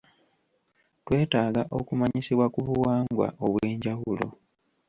twetaaga okumanyisibwa ku buwangwa obw'enjawulo.